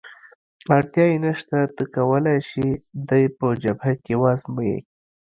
اړتیا یې نشته، ته کولای شې دی په جبهه کې وآزموېې.